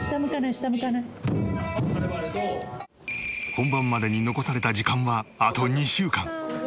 本番までに残された時間はあと２週間。